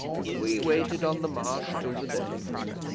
'We waited on the Marsh till the day.